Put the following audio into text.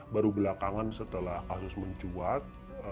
baru belakangan setelah kasus mencuat